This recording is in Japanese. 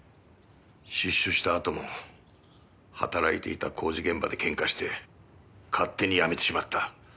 出所したあとも働いていた工事現場で喧嘩して勝手に辞めてしまった。